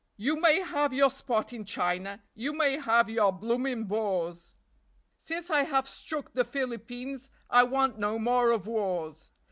You may have your spot in China; You may have your bloomin' Boers, Since I have struck the Philippines I want no more of wars.